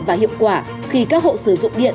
và hiệu quả khi các hộ sử dụng điện